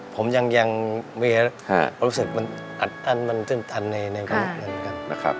ผมยังมีความรู้สึกมันอัดตันมันตื้มตันในความรู้สึกนั้นกันนะครับ